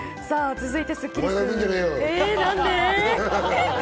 続いてスッキりす。